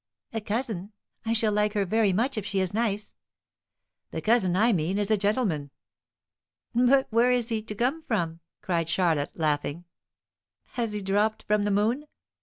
"A cousin? I shall like her very much if she is nice." "The cousin I mean is a gentleman." "But where is he to come from?" cried Charlotte, laughing. Has he dropped from the moon?